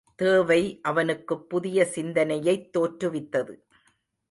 தேவை அவனுக்குப் புதிய சிந்தனையைத் தோற்றுவித்தது.